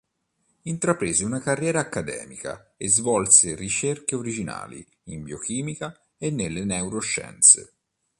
Intraprese una carriera accademica e svolse ricerche originali in biochimica e nelle neuroscienze.